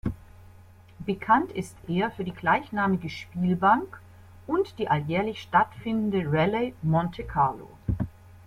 Bekannt ist er für die gleichnamige Spielbank und die alljährlich stattfindende Rallye Monte Carlo.